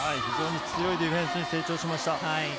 非常に強いディフェンスに成長しました。